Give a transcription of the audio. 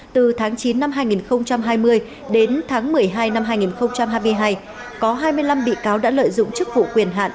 từ tháng chín năm hai nghìn hai mươi đến tháng một mươi hai năm hai nghìn hai mươi hai có hai mươi năm bị cáo đã lợi dụng chức vụ quyền hạn